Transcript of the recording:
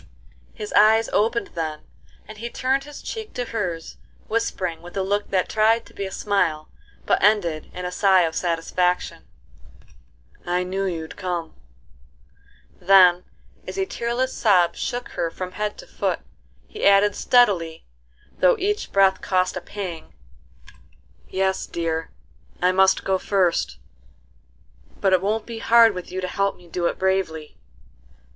His eyes opened then, and he turned his cheek to hers, whispering with a look that tried to be a smile, but ended in a sigh of satisfaction: "I knew you'd come;" then, as a tearless sob shook her from head to foot, he added steadily, though each breath cost a pang, "'Yes, dear, I must go first, but it won't be hard with you to help me do it bravely."